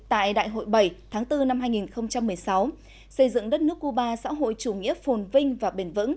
tại đại hội bảy tháng bốn năm hai nghìn một mươi một